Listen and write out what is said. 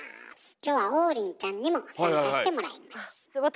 今日は王林ちゃんにも参加してもらいます。